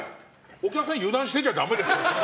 お客さん、油断してちゃダメですよ。